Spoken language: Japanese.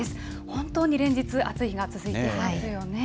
本当に連日、暑い日が続いていますよね。